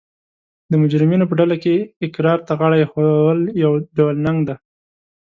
د مجرمینو په ډله کې اقرار ته غاړه ایښول یو ډول ننګ دی